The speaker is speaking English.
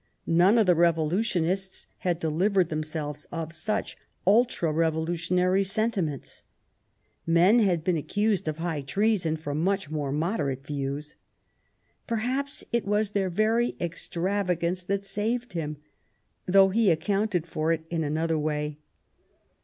None of the Revolutionists had delivered themselves of such ultra revolutionary senti ments. Men had been accused of high treason for much more moderate views. Perhaps it was their very extravagance that saved him, though he accounted for it in another way.